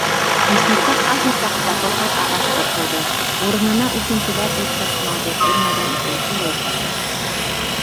Лесникка ҡайһы саҡ законһыҙ ағас ҡырҡыуҙы, урынына үҫентеләр ултыртмауҙы күрмәгән өсөн түләйҙәр.